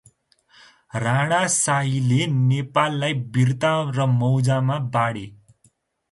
राणाशाहीले नेपाललाई बिर्ता र मौजामा बाँडे ।